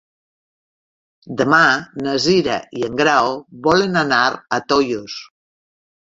Demà na Cira i en Grau volen anar a Tollos.